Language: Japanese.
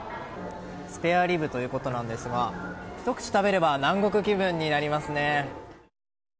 スペアリブということなんですがひと口食べれば南国気分になりますね。